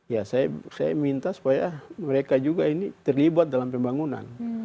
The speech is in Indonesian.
ya saya minta supaya mereka juga ini terlibat dalam pembangunan